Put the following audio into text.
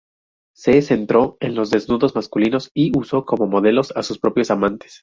Se centró en los desnudos masculinos y usó como modelos a sus propios amantes.